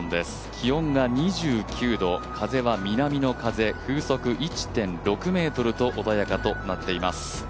気温が２９度、風は南の風風速１．６ｍと穏やかとなっています。